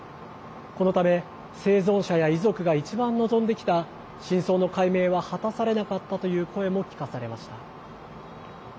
このため、生存者や遺族が一番望んできた、真相の解明は果たされなかったという声も聞かされました。